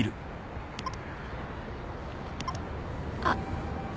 あっ。